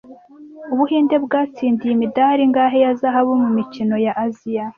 Ubuhinde bwatsindiye imidari ingahe ya zahabu mu mikino ya Aziya